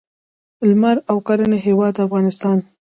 د لمر او کرنې هیواد افغانستان.